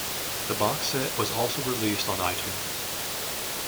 The boxset was also released on iTunes.